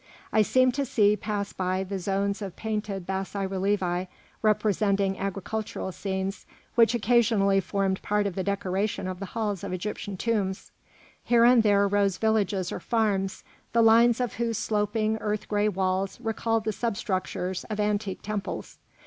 I seemed to see pass by the zones of painted bassi relievi representing agricultural scenes which occasionally formed part of the decoration of the halls of Egyptian tombs. Here and there rose villages or farms, the lines of whose sloping, earth gray walls recalled the substructures of antique temples.